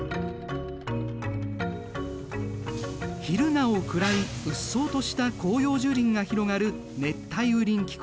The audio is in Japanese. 昼なお暗いうっそうとした広葉樹林が広がる熱帯雨林気候。